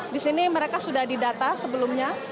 di sini mereka sudah didata sebelumnya